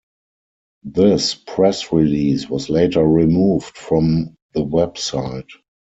This press release was later removed from the website.